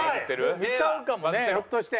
見ちゃうかもねひょっとして。